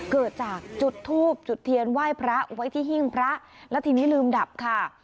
เกิดจากจุดทูบจุดเทียนไหว้พระไว้ที่หิ้งพระแล้วทีนี้ลืมดับค่ะ